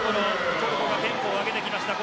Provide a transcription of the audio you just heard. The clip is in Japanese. トルコがテンポを上げてきました。